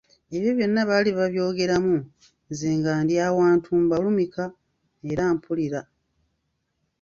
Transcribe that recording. Ebyo byonna baali babyogeramu nze nga ndi awantu mbalumika era mpulira.